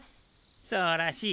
そうらしい。